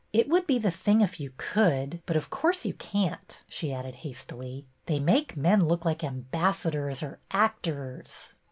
It would be the thing if you could, but of course you can't," she added hastily. They make men look like ambassadors or actors."